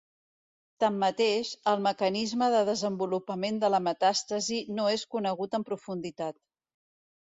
Tanmateix, el mecanisme de desenvolupament de la metàstasi no és conegut en profunditat.